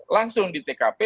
langsung di tkp